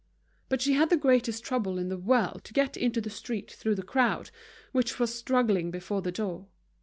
But she had the greatest trouble in the world to get into the street through the crowd, which was struggling before the door.